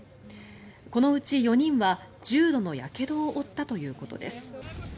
このうち４人は重度のやけどを負ったということです。